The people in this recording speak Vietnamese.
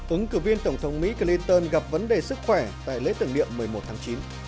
ứng cử viên tổng thống mỹ clinton gặp vấn đề sức khỏe tại lễ tưởng niệm một mươi một tháng chín